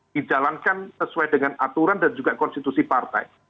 dijalankan sesuai dengan aturan dan juga konstitusi partai